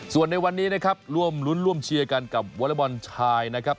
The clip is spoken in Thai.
ส่วนในวันนี้นะครับร่วมรุ้นร่วมเชียร์กันกับวอเล็กบอลชายนะครับ